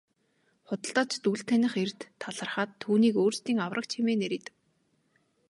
Худалдаачид үл таних эрд талархаад түүнийг өөрсдийн аврагч хэмээн нэрийдэв.